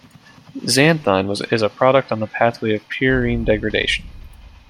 Xanthine is a product on the pathway of purine degradation.